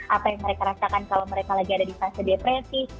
apa yang mereka rasakan kalau mereka lagi ada di fase depresi